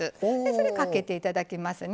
それかけて頂きますね。